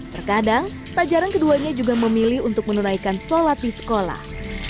terkadang tak jarang keduanya juga memilih untuk menunaikan sholat di sekolah